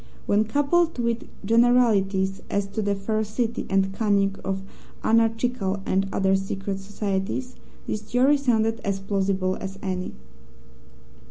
When coupled with generalities as to the ferocity and cunning of anarchical and other secret societies, this theory sounded as plausible as any.